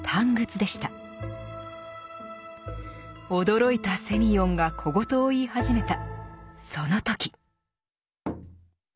驚いたセミヨンが小言を言い始めたその時。